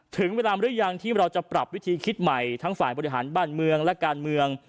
ถึงเวลาหรือยังที่เราจะปรับวิธีคิดใหม่ทั้งฝ่ายบริหารบ้านเมืองและการเมือง